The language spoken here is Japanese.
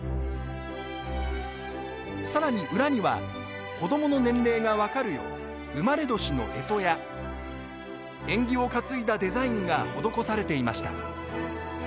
さらに裏には子どもの年齢が分かるよう生まれ年のえとや縁起を担いだデザインがほどこされていました。